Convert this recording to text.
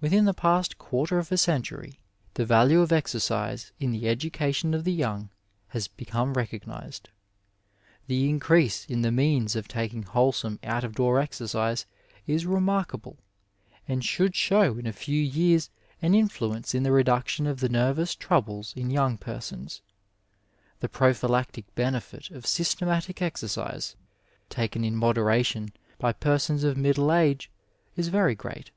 Within the past quarter of a century the value of exercise in the education of the young has become recognized; The increase in the means of taking wholesome out of door exercise is remarkable, and should show in a few years an influence in the reduction of the nervous troubles in yomig persons. The prophylactic benefit of systematic exercise, taken in moderation by persons of middle age, is very great.